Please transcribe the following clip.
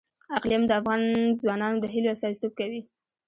اقلیم د افغان ځوانانو د هیلو استازیتوب کوي.